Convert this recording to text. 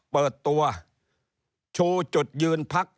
เปิดตัวชูจุดยืนพัก